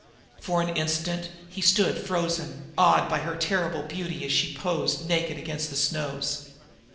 For an instant he stood frozen, awed by her terrible beauty as she posed naked against the snows.